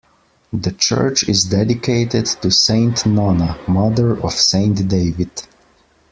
The church is dedicated to Saint Nonna, mother of Saint David.